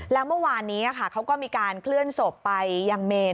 แล้วเมื่อวานนี้เขาก็มีการเคลื่อนศพไปยังเมน